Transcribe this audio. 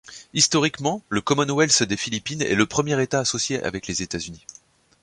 Historiquement, le Commonwealth des Philippines est le premier État associé avec les États-Unis.